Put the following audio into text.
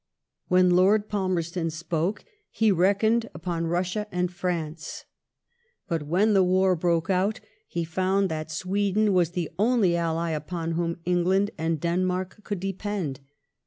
* When Lord Palmerston spoke, he reckoned upon Russia and France ; but when the war broke out, he found that Sweden was the only ally upon whom England and Denmark could depend.